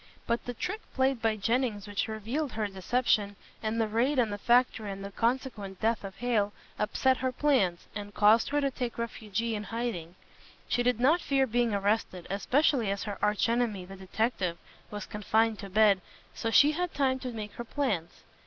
But the trick played by Jennings which revealed her deception, and the raid on the factory and the consequent death of Hale, upset her plans, and caused her to take refuge in hiding. She did not fear being arrested, especially as her arch enemy, the detective, was confined to bed, so she had time to make her plans.